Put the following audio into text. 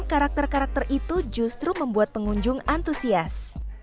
karakter karakter itu justru membuat pengunjung antusias